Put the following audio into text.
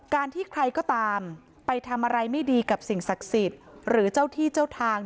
การที่ใครก็ตามไปทำอะไรไม่ดีกับสิ่งศักดิ์สิทธิ์หรือเจ้าที่เจ้าทาง